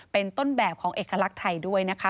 เป็นต้นแบบของเอกลักษณ์ไทยด้วยนะคะ